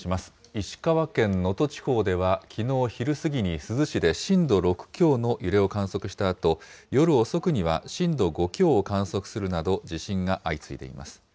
石川県能登地方では、きのう昼過ぎに珠洲市で震度６強の揺れを観測したあと、夜遅くには震度５強を観測するなど、地震が相次いでいます。